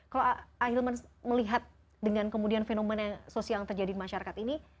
kalau ahilman melihat dengan kemudian fenomena sosial yang terjadi di masyarakat ini